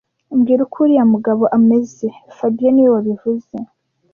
Mbwira uko uriya mugabo ameze fabien niwe wabivuze